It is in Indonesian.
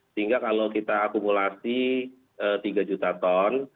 sehingga kalau kita akumulasi tiga juta ton